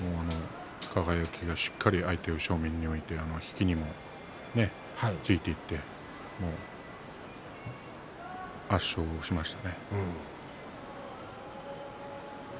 輝がしっかり相手を正面に置いて引きにもついていって圧勝しましたね。